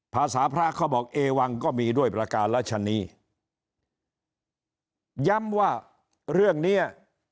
ภาษาพระเขาบอกเอวังก็มีด้วยประการรัชนีย้ำว่าเรื่องเนี้ย